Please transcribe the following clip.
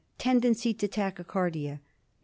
Tendency to tachycardia. 6.